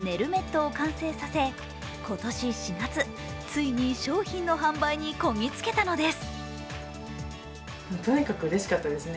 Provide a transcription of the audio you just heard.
そして６年越しでねるメットを完成させ今年４月、ついに商品の販売にこぎ着けたのです。